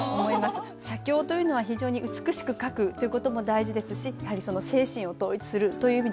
写経というのは非常に美しく書くという事も大事ですしやはりその精神を統一するという意味ではね